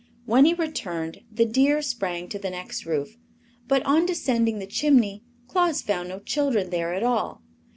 When he returned the deer sprang to the next roof, but on descending the chimney Claus found no children there at all.